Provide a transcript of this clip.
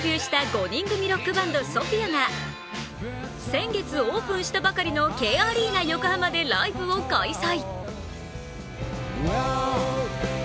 ５人組ロックバンド・ＳＯＰＨＩＡが先月オープンしたばかりのＫアリーナ横浜でライブを開催。